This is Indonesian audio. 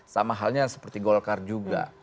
sama halnya seperti golkar juga